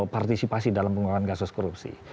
partisipasi dalam pengurangan kasus korupsi